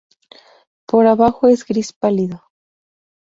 Por abajo es gris pálido.